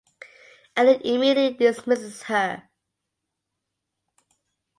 Eliot immediately dismisses her.